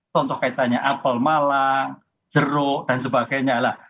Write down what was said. contoh kaitannya apel malang jeruk dan sebagainya lah